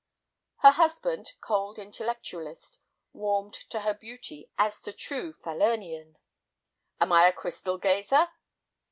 Her husband, cold intellectualist, warmed to her beauty as to true Falernian. "Am I a crystal gazer?"